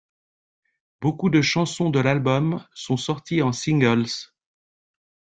Beaucoup de chansons de l'album sont sorties en singles.